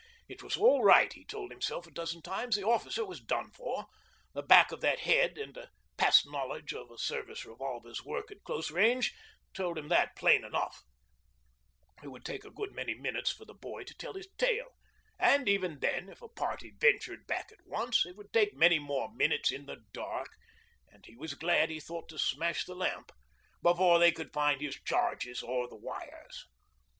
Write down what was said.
It was all right, he told himself a dozen times; the officer was done for the back of that head and a past knowledge of a service revolver's work at close range told him that plain enough; it would take a good many minutes for the boy to tell his tale, and even then, if a party ventured back at once, it would take many more minutes in the dark and he was glad he thought to smash the lamp before they could find his charges or the wires.